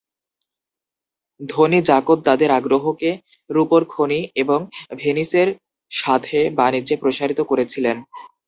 ধনী যাকোব তাদের আগ্রহকে রুপোর খনি এবং ভেনিসের সাথে বাণিজ্যে প্রসারিত করেছিলেন।